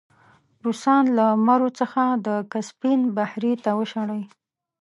روسان له مرو څخه د کسپین بحیرې ته وشړی.